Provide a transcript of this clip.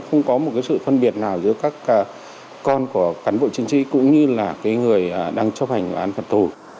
không có một cái sự phân biệt nào giữa các con của cán bộ chiến sĩ cũng như là cái người đang chấp hành án phạt tù